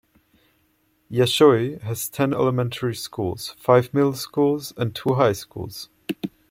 Yashio has ten elementary schools, five middle schools and two high schools.